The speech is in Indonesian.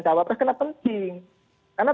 tawar itu kenapa penting karena